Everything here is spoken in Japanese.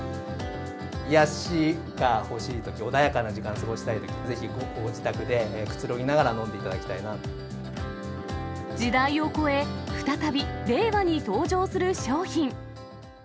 癒やしが欲しいとき、穏やかな時間過ごしたいときに、ぜひご自宅でくつろぎながら飲ん時代を超え、再び令和に登場する商品。